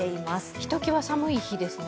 ひときわ寒い日ですね。